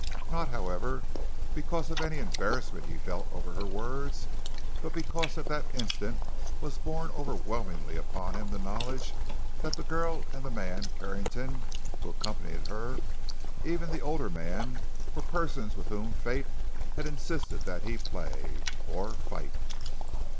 Not, however, because of any embarrassment he felt over her words, but because at that instant was borne overwhelmingly upon him the knowledge that the girl, and the man, Carrington, who accompanied her—even the older man—were persons with whom Fate had insisted that he play—or fight.